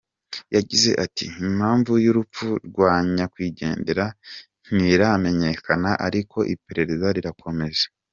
Yagize ati: "Impamvu y'urupfu rwa nyakwigendera ntiramenyekana ariko iperereza rirakomeje.